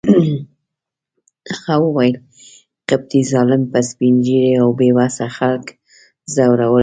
هغه وویل: قبطي ظالم به سپین ږیري او بې وسه خلک ځورول.